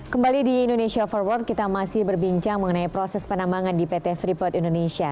kembali di indonesia forward kita masih berbincang mengenai proses penambangan di pt freeport indonesia